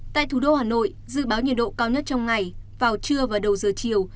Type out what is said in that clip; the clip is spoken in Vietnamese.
tại thủ đô hà nội dự báo nhiệt độ cao nhất trong ngày vào trưa và đầu giờ chiều